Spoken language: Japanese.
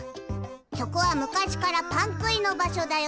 そこは昔からパンくいの場所だよ。